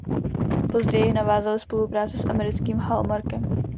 Později navázali spolupráci s americkým Hallmarkem.